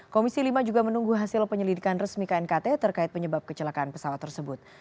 komisi lima juga menunggu hasil penyelidikan resmi knkt terkait penyebab kecelakaan pesawat tersebut